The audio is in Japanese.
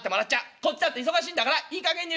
こっちだって忙しいんだからいいかげんにしておくれ！』